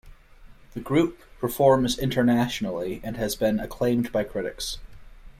The group performs internationally and has been acclaimed by critics.